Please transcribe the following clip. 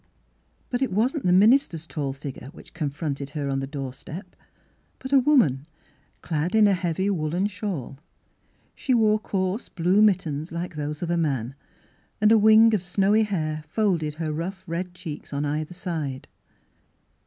But it wasn't the minister's tall figure which confronted her on the door step, but a woman, clad in a heavy woolen shawl. She wore coarse blue mittens like those of a man, and a wing of snowy hair folded her rough red cheeks on either side.